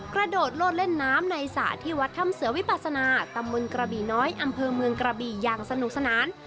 กระโดดโลดเล่นน้ำในสระที่วัดถ้ำเสือวิปัสนาตำบลกระบี่น้อยอำเภอเมืองกระบี่อย่างสนุกสนาน